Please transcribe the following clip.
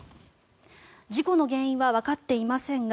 事故の原因はわかっていませんが